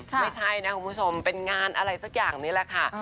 ไม่ใช่นะคุณผู้ชมเป็นงานอะไรสักอย่างนี้แหละค่ะ